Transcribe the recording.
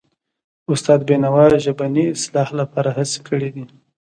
استاد بینوا د ژبني اصلاح لپاره هڅې کړی دي.